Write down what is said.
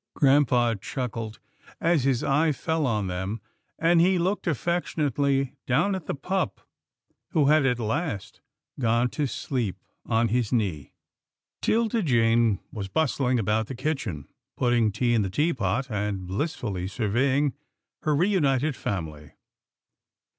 Grampa chuckled as his eye fell on them, and he looked affectionately down at the pup who had at last gone to sleep on his knee. RETURN OF THE TREASURES 201 'Tilda Jane was bustling about the kitchen, put ting tea in the teapot, and blissfully surveying her re united family.